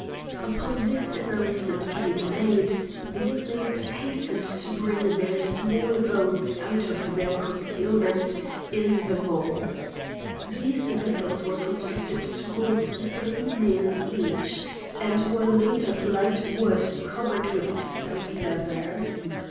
Upon this announcement being made the inmates hastened to bring their small boats out of their concealment in the vault. These vessels were constructed to hold three men each, and were made of light wood covered with stout leather.